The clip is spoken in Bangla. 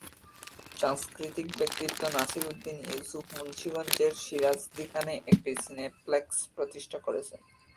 সাংস্কৃতিক ব্যক্তিত্ব নাসির উদ্দীন ইউসুফ মুন্সিগঞ্জের সিরাজদিখানে একটি সিনেপ্লেক্স প্রতিষ্ঠা করেছেন।